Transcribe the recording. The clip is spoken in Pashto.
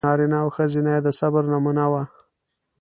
نارینه او ښځینه یې د صبر نمونه و.